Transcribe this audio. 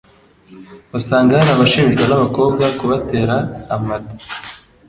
usanga hari abashinjwa n'abakobwa kubatera amada,